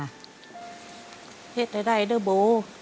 ให้ได้ด้วยโบ้